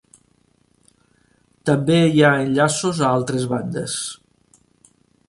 També hi ha enllaços a altres bandes.